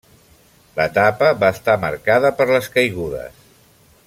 L'etapa va estar marcada per les caigudes.